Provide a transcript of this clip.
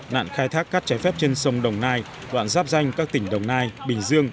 nạn khai thác cát trái phép trên sông đồng nai đoạn giáp danh các tỉnh đồng nai bình dương